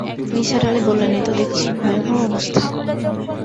নিসার আলি বললেন, এ তো দেখছি ভয়াবহ অবস্থা!